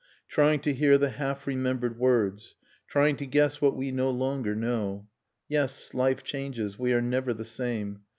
Trying to hear the half remembered words. Trying to guess what we no longer know. Yes, life changes, we are never the same